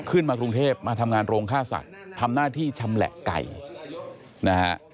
ขึ้นมากรุงเทพฯมาทำงานโรงค่าศัตริย์ทำหน้าที่ชำแหละไก่นะฮะ